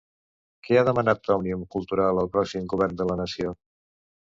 Què ha demanat Òmnium Cultural al pròxim govern de la nació?